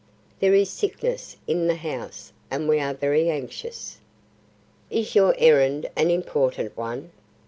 "There is sickness in the house and we are very anxious. Is your errand an important one?